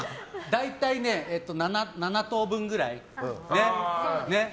大体ね、７等分くらいね。